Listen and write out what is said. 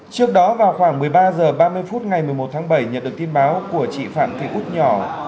trước đó vào khoảng một mươi ba h ba mươi phút ngày một mươi một tháng bảy nhận được tin báo của chị phạm thị út nhỏ